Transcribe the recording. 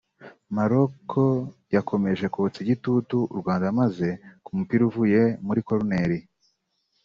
Maroc yakomeje kotsa igitutu u Rwanda maze ku mupira uvuye muri koroneri